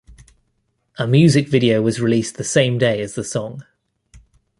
A music video was released the same day as the song.